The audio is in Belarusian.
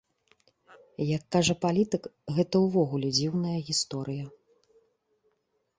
Як кажа палітык, гэта ўвогуле дзіўная гісторыя.